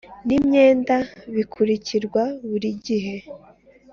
N imyenda bikurikirwa buri gihe